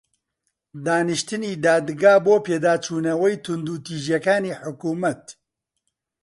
دانیشتنی دادگا بۆ پێداچوونەوەی توندوتیژییەکانی حکوومەت